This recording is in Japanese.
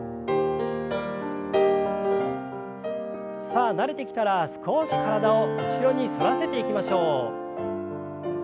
さあ慣れてきたら少し体を後ろに反らせていきましょう。